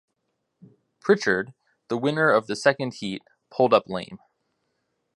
Pritchard, the winner of the second heat, pulled up lame.